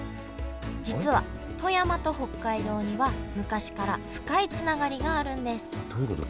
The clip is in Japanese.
実は富山と北海道には昔から深いつながりがあるんですどういうこと？